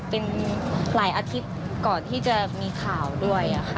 เป็นหลายอาทิตย์ก่อนที่จะมีข่าวด้วยค่ะ